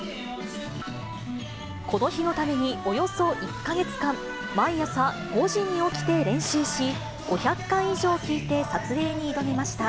この日のためにおよそ１か月間、毎朝５時に起きて練習し、５００回以上聴いて撮影に挑みました。